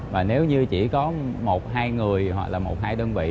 và nếu như chỉ có một hai người hoặc là một hai đơn vị